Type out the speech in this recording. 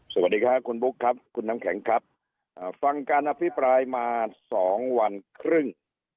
สวัสดีค่ะคุณบุ๊คครับคุณน้ำแข็งครับอ่าฟังการอภิปรายมาสองวันครึ่ง